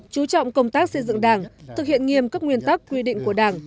chú trọng công tác xây dựng đảng thực hiện nghiêm các nguyên tắc quy định của đảng